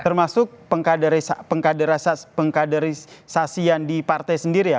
termasuk pengkaderisasian di partai sendiri ya